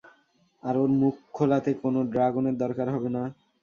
আর ওর মুখ খোলাতে কোন ড্রাগের দরকার হবে না।